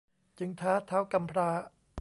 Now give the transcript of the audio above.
จึงท้าท้าวกำพร้า